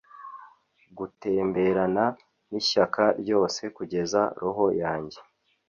gutemberana n'ishyaka ryose kugeza roho yanjye